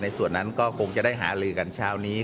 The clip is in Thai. ส่วนนั้นก็คงจะได้หาลือกันเช้านี้